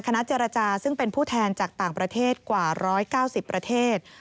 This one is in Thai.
คณะเจรจาซึ่งเป็นผู้แทนจากต่างประเทศกว่า๑๙๐ประเทศ